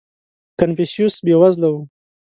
• کنفوسیوس بېوزله و.